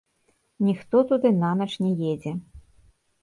Ніхто туды нанач не едзе.